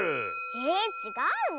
えちがうの？